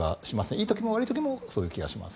いい時も悪い時もそういう気がします。